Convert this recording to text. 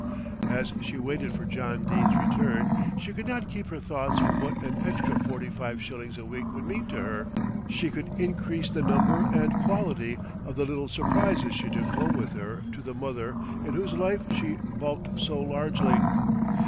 As she waited for John Dene's return, she could not keep her thoughts from what an extra forty five shillings a week would mean to her. She could increase the number and quality of the little "surprises" she took home with her to the mother in whose life she bulked so largely.